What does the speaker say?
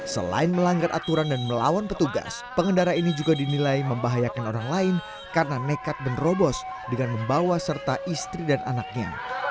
selain melanggar aturan dan melawan petugas pengendara ini juga dinilai membahayakan orang lain karena nekat menerobos dengan membawa serta istri dan anaknya